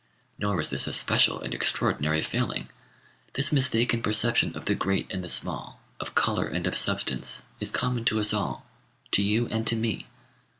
Nor is this a special and extraordinary failing. This mistaken perception of the great and the small, of colour and of substance, is common to us all to you and to me.